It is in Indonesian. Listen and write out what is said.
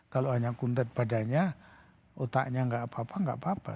kalau hanya kuntet badannya otaknya gak apa apa gak apa apa